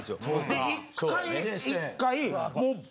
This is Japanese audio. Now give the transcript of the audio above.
で１回１回もう。